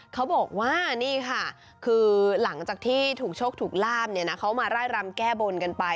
เขาบอกว่านี่ค่ะคือหลังจากที่ถูกโชคถูกลาบเนี่ยนะเขามาไล่รำแก้บนกันไป